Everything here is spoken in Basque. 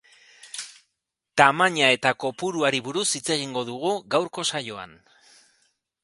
Tamaina eta kopuruari buruz hitz egingo dugu gaurko saioan.